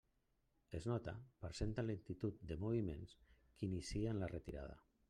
Es nota, per certa lentitud de moviments, que inicien la retirada.